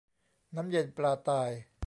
น้ำเย็นปลาตาย